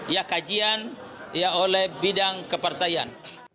ya kajian oleh bidang kepartaian